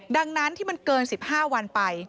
ดังนั้นที่มันเกิน๑๕วันไป